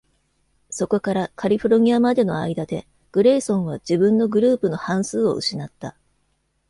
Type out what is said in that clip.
そこからカリフォルニアまでの間で、グレイソンは自分のグループの半数を失った。